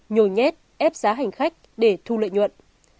nhồi nhét ép giá hành khách để thu lợi nhuận